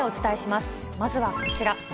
まずはこちら。